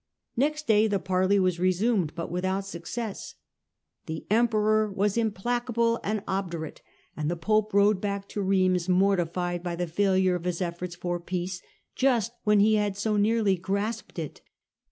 Next day the parley was resumed, but without success. The emperor was implacable and obdurate, and the pope rode back to Eeims mortified by the failure of his eflForts for peace just when he had so nearly grasped it.